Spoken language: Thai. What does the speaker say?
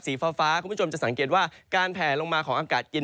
ฟ้าคุณผู้ชมจะสังเกตว่าการแผลลงมาของอากาศเย็น